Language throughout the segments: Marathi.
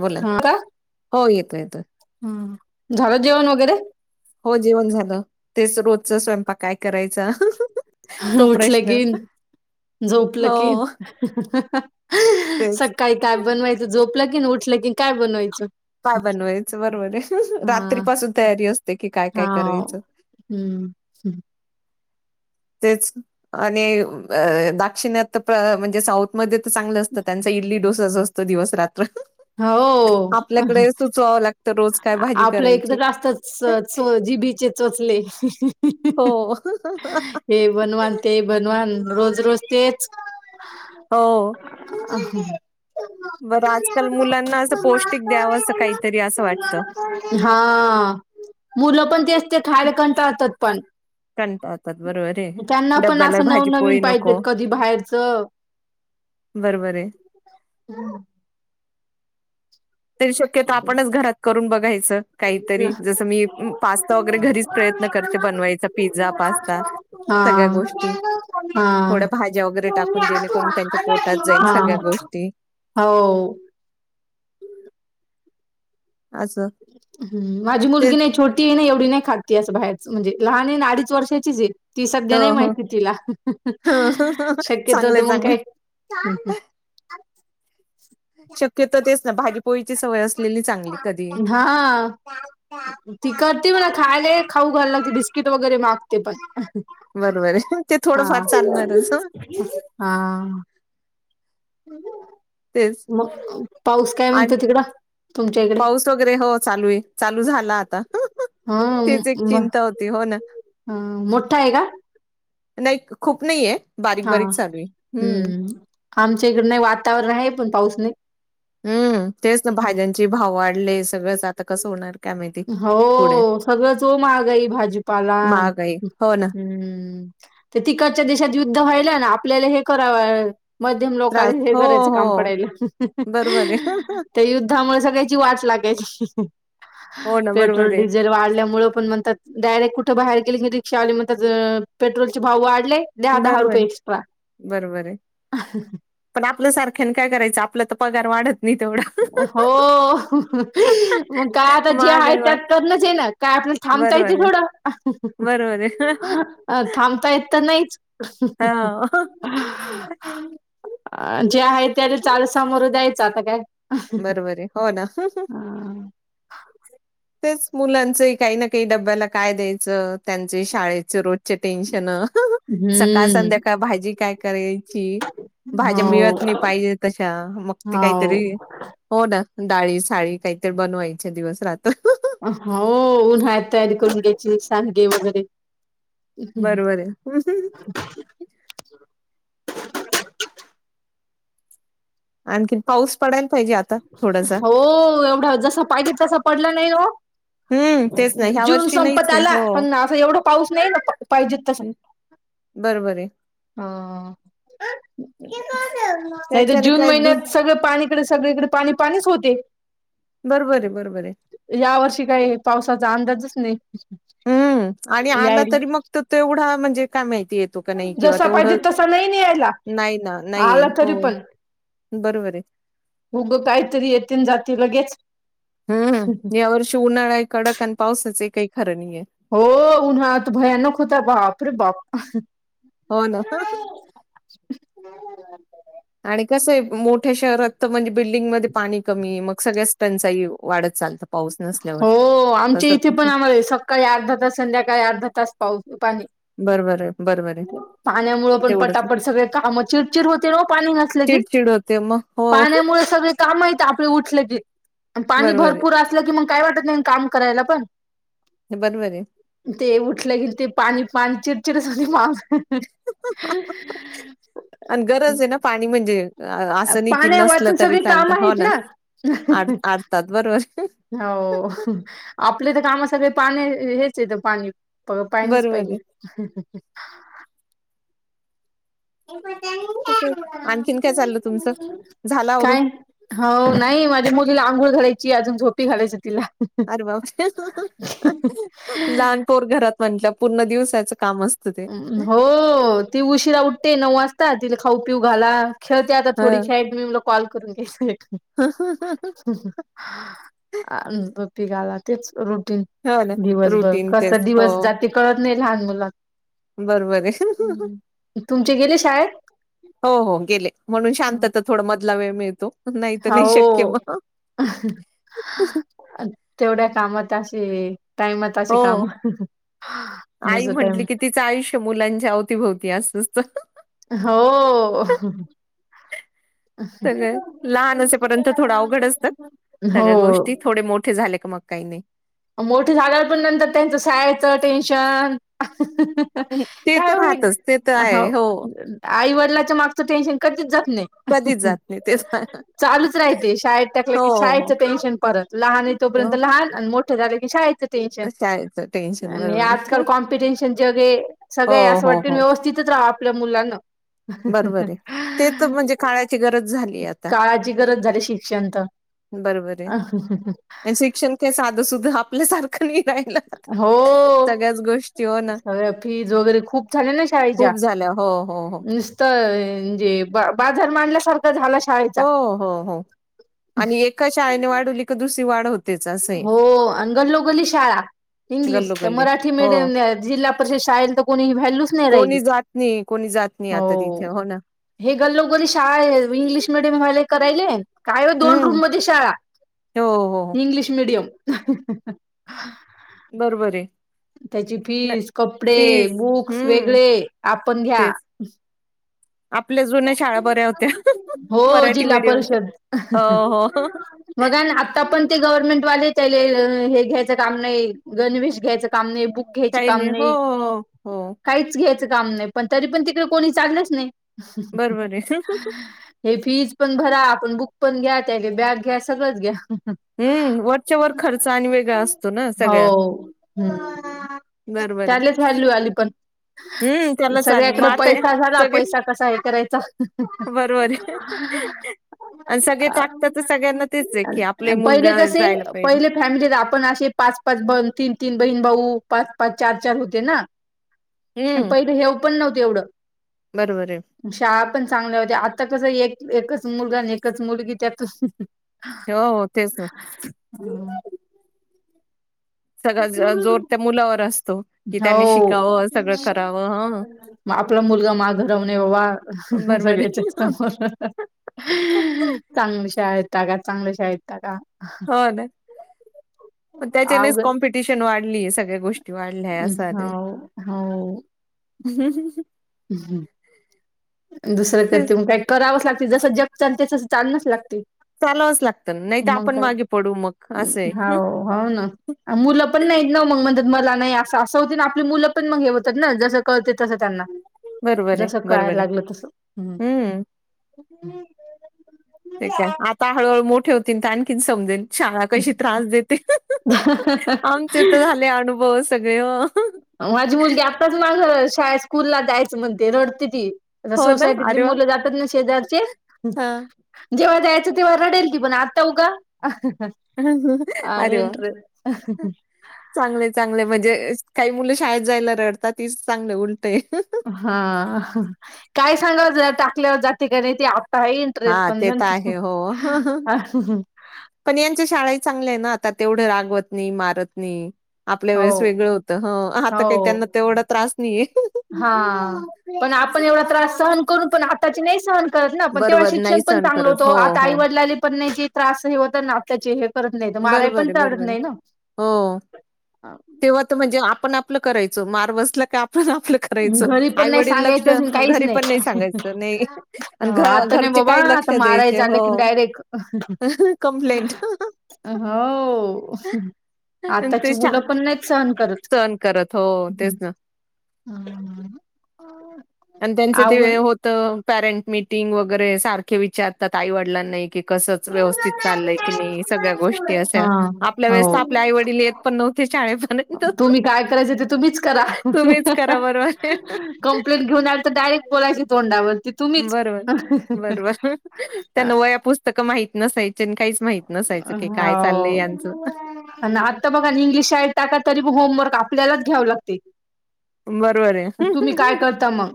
बोला ह का हो येतो येतो ह झालं जेवण वगैरे हो जेवण झालं तेच रोजच स्वयंपाक काय करायचा तो उठलं प्रश्न की झोपलं हो की तेच सकाळी काय बनवायचं झोप झोपलं कि न उठलं की काय बनवायचं काय बनवायचं बरोबर आहे हा रात्रीपसून तयारी असते कि काय काय हा करायचं हम्म तेच आणि दक्षिण म्हणजे साऊथमध्ये चांगलं असतं त्यांचा इडली डोसा अस असतो दिवस रात्र हो आपल्याकडे सुचवावं लागतं रोज काय भाजी आपलं एक तर करायची जास्त जी बी चोचले हो हे बनवा न ते बनवा न रोज रोज तेच हो ह बरं आजकाल मुलांना असं पौष्टिक द्यावं असं काहीतरी असं वाटतं हा मुलं पण तेच ते खायला कंटाळतात पण कंटाळतात बरोबर आहे. त्यांना पण डब्याला असं नवनवीन भाजीपोळी पाहिजे नको कधी बाहेरच बरोबर आहे तरी शक्यतो आपणच घरात करून बघ काहीतरी जस मी पास्ता वगैरे घरीच प्रयत्न करते बनवायचा पिझ्झा पास्ता हा सगळ्या गोष्टी हा थोड्या भाज्या वगैरे टाकून जेणेकरून त्यांच्या पोटात जाईन सगळ्यात गोष्टी हो असं हम माझी मुलगी तेच नाही छोटी आहे नाही एवढी नाही खात अस बाहेरच म्हणजे लहान आहे आणि अडीच वर्षाचीच आहे ती सध्या हो नाही हो माहिती तिला चांगलंय शक्यतो मग चांगलं काय अ शक्यतो तेच ना भाजी पोळीची सवय असते हा ती करते मला खायला खाऊ घायला लागते बिस्किट वगैरे मागते पण बरोबर आहे ते हा थोडंफार चालणारच हा तेच मग पाऊस काय आणि म्हणतो तिकड पाऊस वगैरे हो चालू आहे चालू झाला आता तेच एक चिंता होती हो ना हम मोठा आहे का नाही खूप नाहीय बारीक बारीक हा चाल आहे हम्म. आमच्या इकड नाही वातावरण आहे पण पाऊस नाही. हम्म तेच ना हम्म. भाज्यांचे भाव वाढले सगळंच आता कसं होणार. काय माहिती पुढे हो सगळं जो महागाई भाजीपालान महागाई. हो ना. हम्म ते तिकटच्या देशात युद्ध व्हाला ना आपल्याला हे कराव. मध्यम त्रास लोकांनी हे हो, करायचं काम हो. पडायल बरोबर आहे. त्या युद्धामुळे सगळ्याची वाच लागे. हो ना बरोबर पेट्रोल आहे. डिझेल वाढल्यामुळे पण म्हणतात डायरेक्ट बाहेर गेले की रिक्षावाले म्हणतात पेट्रोलचे भाव वाढ दहा दहा बरोबर रुपये आहे, एक्स्ट्रा. आपल्यासारख्याने काय करायचं आपला तर पगार वाढत. नाही तेवढा. हो मग काय आता जे आहे महागाई वाढ त्यात करणच आहे ना काय. आप थांबता येते बरोबर आहे, थोडं बरोबर आहे. थांबता येत तर नाहीच. [inaudible] हां. अ जे आहे त्या चाल सामोर द्यायचं आता काय. बरोबर आहे हो ना. हां. तेच मुलांच काही ना काही डब्याला काय द्यायचं त्यांचे शाळेच रोज टेन्शन सकाळ हम्म. संध्याकाळ भाजी काय करेल. ची भाज्या हो. मिळत नाही पाहिजे तशा मग ते हो. काहीतरी हो ना. डाळी साळी काहीतरी बनवायच्या दिवस रात. हो उन्हाळ तयारी करून घ्यायची साडगे वगैरे. हम्म. बरोबर आहे [inaudible] आणखी पाऊस पडायला पाहिजे आता थोडासा हो एवढं जस पाहिजे तसा पडलं नाही हो. हम्म तेच नाही ह्या जून वर्षी नाहीच संपत आहे आला हो पण असं एवढा पाऊस नाही ना पाहिजेत तसा बरोबर आहे आ. नाही तर त्याच्याने जून काय दुस महिन्यात सगळं पाणी सगळीकडे पाणी पाणीच होते. बरोबर आहे बरोबर आहे या वर्षी काही पावसाचा अंदाजच नाही. हम्म आणि आला यायला. तरी मग त एवढा म्हणजे काय माहिती येत. जसा पाहिजे तसा नाही न यायला नाही ना, नाही. आला तरी हो, पण बरोबर आहे. मग काहीतरी येेत जातील. हम्म या वर्षी उन्हाळा आहे कडक आणि पावसच हि काही खरं नाहीये. हो उन्हा तू भयानक होता बाप रे बाप हो ना. आणि कसं आहे मोठ्या शहरात तर म्हणजे बिल्डिंगमध्येध्ये पाणी कमी मग सगळ्याच टंचाई वाढत चालतात. हो आमच्या इथे पण आम्हाला सकाळी अर्धा तास संध्याकाळी अर्धा तास पाऊस पाणी बरोबर आहे, बरोबर आहे. पाण्यामुळ पण तेवढंच. पटापट सगळे काम चिडचिड होते पाणी नसलं की चिड होते मग हो. पाण्यामुळे सगळे काम आपले उठले की पाणी बरोबर आहे, भरपूर असलं की मग काय वाटत नाही काम करायला पण. बरोबर आहे. ते उठलं कि ते पाणी पाणी चिडचिड झाली मावस [inaudible] आणि गरज आहे ना पाणी म्हणजे असं नाही की पाण्या नसलं वाचून तरी सगळी चालत काम हो आहेत ना. आडतात बरोबर. हो आपले तर कामा सगळे पाणी हेच येत पाणी पग पाणीच बरोबर आहे. पाहिजे. [inaudible] ते आणखीन काय चाललं तुमचं? झाला आवरून काय हो नाही माझ्या मुलीला आंघोळ घालायची अजून झोपी घालायच तिला अरे बाबा लहान पोर घरात म्हटलं पूर्ण दिवसाच हो ती उशिरा उठते नऊ वाजता तिला खाऊ पिऊ घाला खेळते आता थोडी ह खेळड मी मला कॉल करून घेतोय. अ पघाला तेच र. हो ना दिवसभर रुटीन कस तेच हो दिवस जाती कळत नाही लहान मुला बरोबर आहे. ती गेले शाळेत. हो हो गेले म्हणून शांतता थोड मधला वेळ मिळ हो तेवढ्या कामात अस ते टाइमाते हो काम जस टाइम ती असचत. हो. सगळं लहान असपर्यंत थोडं अवघड असतं, सगळ्या गोष्टी हो थोडे मोठे झाले का मग. काही नाही. मोठे झाल्यावर पण नंतर त्यांचं सहाचं टेन्शन. हं, ते तर काय राहतच ते तर हो आहे आईवडिलाच्या मागचं टेन्शन कधीच जात नाही. कधीच जात नाही ते तर. चालूच राहते शाळेत टाकलं हो की हो शाळेतच टेन्शन परत लहान तोपर्यंत. लहान मोठं झालं क शाळेचं. टेन्शन अशायत. आणि आजकाल कॉम्पिटिशन जगे हो सगळे असं हो वाट हो व्यवस्थितच राहा. आपल्या मुलांना. बरोबर आहे ते तर म्हणजे काळाची गरज झाली आता काळाची गरज झाली शिक्षण तर. बरोबर आहे आणि शिक्षण का साधं सुुद्धा आपल्यासारखं. नाही हो सगळ्याच गोष्टी हो ना सगळ्या फीज वगैरे खूप झाल्या खूप. झाल्या हो हो हो. तर म्हणजे बा बाजार मांडल्यासारखं झाला. हो शाळेचा. हो हो आणि एका शाळेने वाढवली का दुसरी वाढ होती. हो अ गल्लोगल्ली शाळा. इंग्लिश तर गल्लोगल्ली मराठी हो मीडियम जिल्हा परिषद शाळेल तर कोणीही व्हॅल्यूच नाही राहिली. कोणी जात नाही कोणी जात नाही आता तिथे हो ना. लोकरी शाळा आहे इंग्लिश मिडियम व्हायला करायले. काय हो दोन हम्म रूम मध्ये शाळा हो हो हो इंग्लिश. [unintelligible] बरोबर आहे. त्याची नाही फीस कपडे फीज बुक्स हम्म वेगळे आपण घ्या. तेच आपल्या जुन्या शाळा बऱ्या होत्या हो मराठी जिल्हा मीडियमच्या. परिषद. हो, हो. मग आता पण ते. गव्हर्नमेंट वा घ्यायच काम नाही गवेश घ्यायच काम नाही. बुक घ्यायच काही काम हो, नाही हो, हो. काहीच घ्यायचं काम नाही पण तरी पण तिकडे कोणी चांगलंच नाही. अच्छाच्च्छा बरोबर आहे. [unintelligible] हे फीज पण भरा आपण बुक पण घ्या त्या का बॅग घ्या सगळंच घ्या. हम्म वरच्या वर खर्च आणि वेगळा असतो ना सगळ्या. बरोबर आहे. त्याच व्हॅल्यू आली पण हं, त्यालाच आली मग सगळ्याकडे आता पैसा झाला सगळे पैसा. कसा हे करायचा. बरोबर आहे. आणि सगळे टाकतात तर सगळ्यांना तेच हे की आप. पहिले कसे पहिले फॅमिली आपण असे पाच पाच ब तीन तीन बहीण. भाऊ पाच पाच चार चार होते ना, आणि हं, पहिले हेव पण नव्हते एवढं. बरोबर आहे. शहा पण चांगल्या होत आता कस एक एकच मुलगा आणि एकच मुलगी त्यातून. हो तेच ना. ह [inaudible] सगळा ज- जोर त्या मुलावर असतो की त्याने हो. शिकावं, सगळं करावं. हं. आपला मुलगा मा घडवणे बाबा बरोबर सगळ्याच्या समोर. आहे. चांगले शा आहेत का चांगले शा आहेत टा का? हो ना. पण त्याच्यानेच अवघड कॉम्पिटिशन वाढलीय सगळ्या गोष्टी वाढल्या हो सारे. ् दुसरं कर तेच ते काय करावंच लागत. जस जग चालते तसं लच लागते. चालावंच लागतं, नाही तर मग आपण काय मागे पडू मग असं आहे. हो हो ना मुलं पण नाही न मग म्हणतात मला नाही असं असं होती ना आपली मुलं पण मग हे होतात ना जसं कळते तसं त्यांना बरोबर आहे जसं कळायला बरोबर. लागलं तसं. हम्म ठीक आहे आता हळ मोठ. ठेवतील आणखी समजेल. शाळा कशी त्रास देते आमचे तर झाले अनुभव सगळे हो. माझी मुलगी आत्ताच माझ शाळेत स्कूलला दयचं म्हणते रडते ती. आ हो ना? सोसायटीतली अरे वाह! मुलं जातात ना सेजारीचे हां. जेव्हा जायचे देव्हा वार रडेल त पण आता उा अरे वा चांगले चांगले म्हणजे काही मुलं शाळेत जायला रडतात तीच चांग. हा काय सांग टाकल्यावर जातिका नाही ती. हा ते तर आहे हो पण यांच्या शाळाही चांगल्या आहे ना आ. आता तेवढं रागवत नाही मारत नाही. आपल्या हो वेळेस वेगळं होतं ह आता काही त्यांना हो तेवढा त्रास नाहीये. हा पण आपण एवढा त्रास सहन कइ. करून पण आताची नाही सहन करत ना पण तेव्हा बरोबर नाही शिक्षण पण सहन चांगल करत होतं हो आता हो आईवडलाले पण नाही. त्रास हे होता नातताचे हे करत नाही माराय बरोबर पण आहे बरोबर चालत आहे नाही ना. हो. तेव्हा तर म्हणजे आपण आपलं करायचो मार्वसला पण आपलं करायचं घरी पण नाही आईवडील लक्ष सांगायचं काहीच घरी पण नाही सांगायचं नाही आणि हो आता घर नाही त्या बाबा काही लक्ष आता माराय द्यायचे झालं की हो डायरेक्ट कमप्लेंट. हो आताची मुलं पण नाही चांगले. सण करत हो तेच ना. हम ह. आणि त्यांचं ते होत पॅरेंट मिीटिंग वगैरे सारखे विचारतात आई वडलां नाही की हा हो हे काय बोलत आहे कसंच व्यवस्थित ते चाललंय की नाही समजले सगळ्या गोष्टी अशा. नाही आपल्या वेळेस सर. तर आपले आई-वडील येत पण नव्हते शाळेपर्यंत. तुम्ही काय करायच ते तुम्हीच करा तुम्हीच करा बरोबर. कंप्लेंट घेऊन डायरेक्ट बोलायची तोंडावरती तुम्हीच बरोबर. बरोबर. त्यांना वह्या पुस्तकं माहीत नसायचे आणि काहीच माहीत नसायचं की काय होा चाललंय यांचं. आता बघा इंग्लिश शा टाकतले. तरी होमवर्क आपल्यालाच घ्याव लागते. बरोबर. आहे. तुम्ही काय करता मग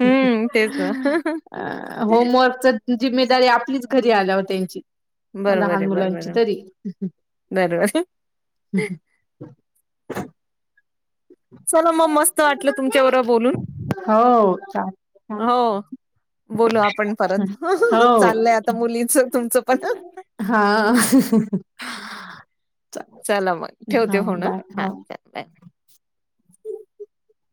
हं, तेच ना. होमवर्कच जिम्मेदारी आपलीच घरी आल्या हो त्यांची बरोबर लहान आहे, बरोबर मुलांची आहे. तरी. हे बरोबर. काय आहे ते समजले नाही. चला मग मस्त वाटलं तुमच्यावर बोलून हो हो. बोलू आपण परत चाललय आता मुलीच तुमचं पण हा काही शब्दाचा आवाज येत नाही. चला मग ठेवते होन हा ल बाय. ह.